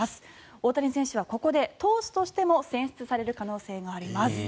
大谷選手はここで投手としても選出される可能性があります。